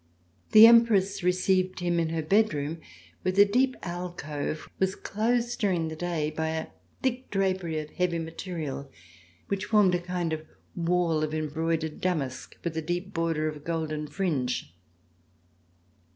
The Empress received him in her bed room where the deep alcove was closed during the day by a thick drapery of heavy material which formed a kind of wall of embroidered damask with a deep border of golden fringe.